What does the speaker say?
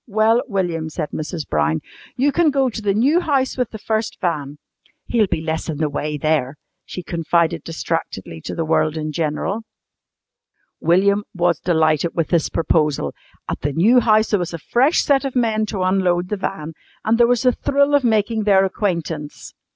"Well, William," said Mrs. Brown, "you can go to the new house with the first van. He'll be less in the way there," she confided distractedly to the world in general. William was delighted with this proposal. At the new house there was a fresh set of men to unload the van, and there was the thrill of making their acquaintance.